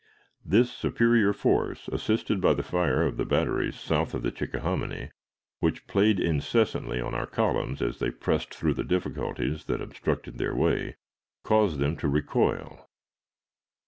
This superior force, assisted by the fire of the batteries south of the Chickahominy, which played incessantly on our columns as they pressed through the difficulties that obstructed their way, caused them to recoil.